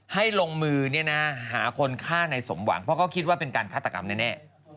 ให้ลงมือหาคนฆ่าในสมหวังเพราะเขาคิดว่าเป็นการฆาตกรรมแน่